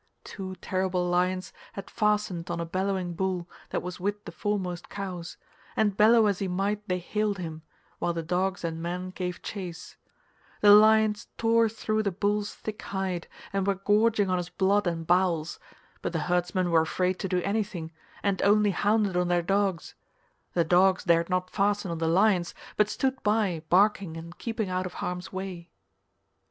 Two terrible lions had fastened on a bellowing bull that was with the foremost cows, and bellow as he might they haled him, while the dogs and men gave chase: the lions tore through the bull's thick hide and were gorging on his blood and bowels, but the herdsmen were afraid to do anything, and only hounded on their dogs; the dogs dared not fasten on the lions but stood by barking and keeping out of harm's way.